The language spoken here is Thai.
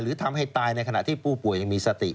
ทำให้ตายในขณะที่ผู้ป่วยยังมีสติ